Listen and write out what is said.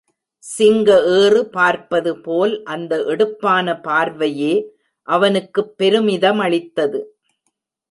சிங்க ஏறு பார்ப்பது போல் அந்த எடுப்பான பார்வையே அவனுக்குப் பெருமிதமளித்தது.